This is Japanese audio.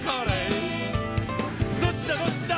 「どっちだどっちだ」